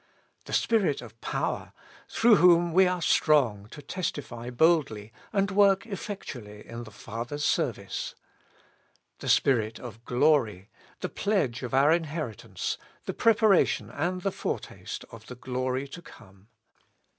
The Spirit of power, through whom we are strong to testify boldly and work effec tually in the Father's service. The Spirit of glory, the pledge of our inheritance, the preparation and the foretaste of the glory to come.